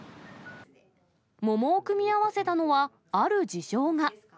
桃を組み合わせたのは、ある事情が。